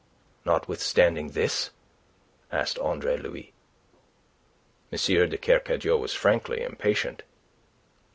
"Notwithstanding this?" asked Andre Louis. M. de Kercadiou was frankly impatient.